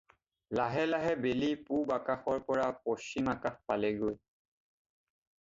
লাহে লাহে বেলি পূব আকাশৰ পৰা পশ্চিম আকাশ পালেগৈ।